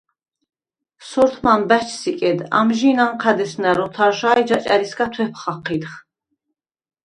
სორთმან ბა̈ჩს იკედ, ამჟი̄ნ ანჴა̈დხ ესნა̈რ ოთარშა ი ჯაჭა̈რისგა თუ̂ეფ ხაჴიდხ.